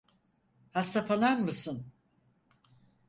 Hasta falan mısın?